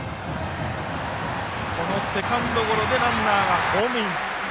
このセカンドゴロでランナーがホームイン。